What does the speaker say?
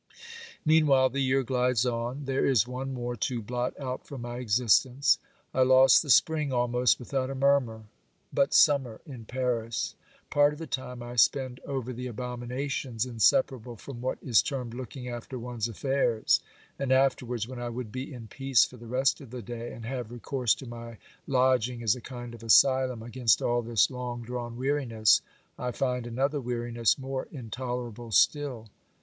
Meanwhile the year glides on : there is one more to blot out from my existence. I lost the spring almost without a murmur — but summer in Paris ! Part of the time I spend over the abominations inseparable from what is termed looking after one's affairs, and afterwards, when I would be in peace for the rest of the day, and have re course to my lodging as a kind of asylum against all this long drawn weariness, I find another weariness more in tolerable still.